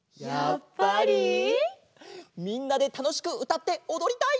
みんなでたのしくうたっておどりたい！